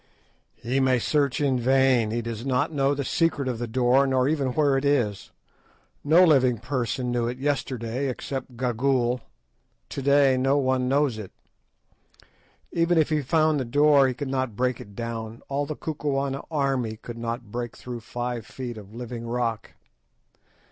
"He may search in vain. He does not know the secret of the door, nor even where it is. No living person knew it yesterday, except Gagool. To day no one knows it. Even if he found the door he could not break it down. All the Kukuana army could not break through five feet of living rock.